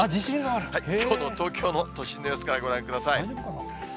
きょうの東京の都心の様子からご覧ください。